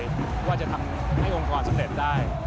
เพราะว่าจะทำให้องค์ความสำเร็จได้